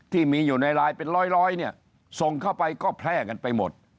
ที่มีอยู่ในไลน์เป็นร้อยเนี่ยส่งเข้าไปก็แพร่กันไปหมด